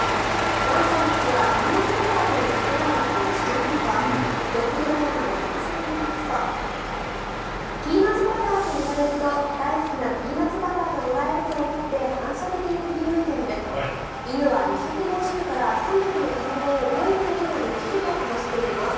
ワンちゃんたちはピーナツバターという言葉を理解しているのかドッグトレーナーの鹿野さんによりますとピーナツバターといわれると大好きなピーナツバターがもらえると思って反射的に振り向いている犬は２５０から３００の単語を覚えることができると話しています。